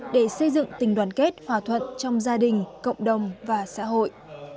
để xây dựng tình đoàn kết hòa thuận trong gia đình cộng đồng và xã hội